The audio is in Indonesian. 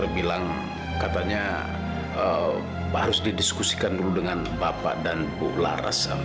pak harus didiskusikan dulu dengan bapak dan bu laras